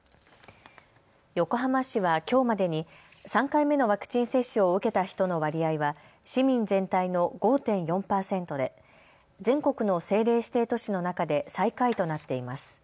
横浜市はきょうまでに３回目のワクチン接種を受けた人の割合は市民全体の５．４％で全国の政令指定都市の中で最下位となっています。